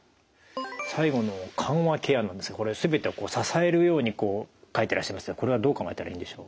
最後の緩和ケアなんですがこれ全てを支えるように書いてらっしゃいましたがこれはどう考えたらいいんでしょう？